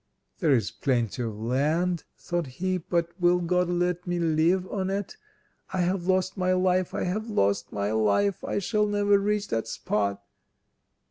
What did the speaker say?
"There is plenty of land," thought he, "but will God let me live on it? I have lost my life, I have lost my life! I shall never reach that spot!"